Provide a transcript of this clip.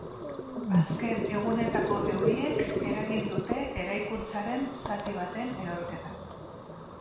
Azken egunetako euriek eragin dute eraikuntzaren zati baten erorketa.